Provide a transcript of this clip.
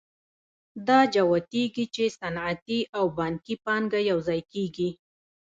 دا جوتېږي چې صنعتي او بانکي پانګه یوځای کېږي